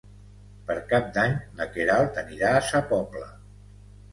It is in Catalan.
Per Cap d'Any na Queralt anirà a Sa Pobla.